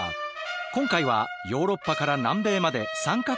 今回はヨーロッパから南米まで３か国を巡る。